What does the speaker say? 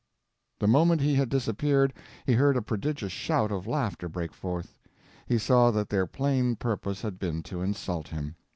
The moment he had disappeared he heard a prodigious shout of laughter break forth. He saw that their plain purpose had been to insult him.